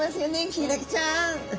ヒイラギちゃん。